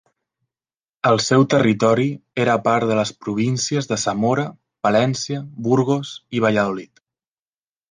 El seu territori era part de les províncies de Zamora, Palència, Burgos i Valladolid.